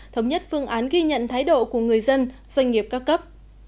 thống nhất phương án ghi nhận thái độ của người dân doanh nghiệp cao cấp